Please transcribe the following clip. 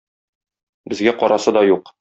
Безгә карасы да юк.